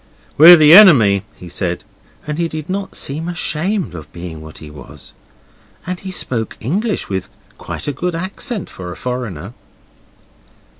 'We're the enemy,' he said, and he did not seem ashamed of being what he was. And he spoke English with quite a good accent for a foreigner.